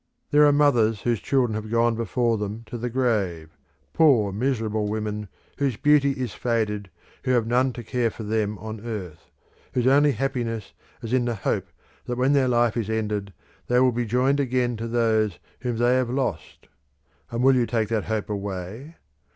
There are mothers whose children have gone before them to the grave, poor miserable women whose beauty is faded, who have none to care for them on earth, whose only happiness is in the hope that when their life is ended they will be joined again to those whom they have lost. And will you take that hope away?